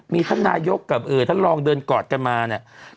มีท่านนายกกับท่านรองเดินกอดกันมาเนี่ย